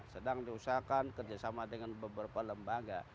sedang diusahakan kerjasama dengan beberapa lembaga